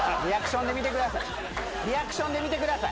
リアクションで見てください。